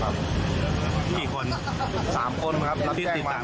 แล้วมาเจอคนไหมอ่ะที่ติดสิปะ